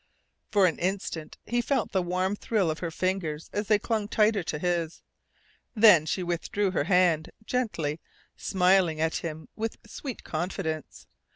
For an instant he felt the warm thrill of her fingers as they clung tighter to his. Then she withdrew her hand, gently, smiling at him with sweet confidence.